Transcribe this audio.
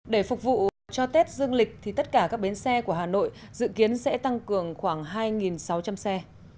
để phục vụ cho tết dương lịch thì tất cả các bến xe của hà nội dự kiến sẽ tăng cường khoảng hai sáu trăm linh xe